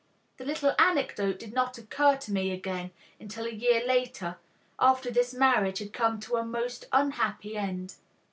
The little anecdote did not occur to me again until a year later, after this marriage had come to a most unhappy end.